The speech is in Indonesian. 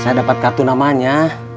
saya dapat kartu namanya